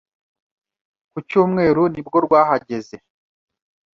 Ku cyumweru nibwo rwahageze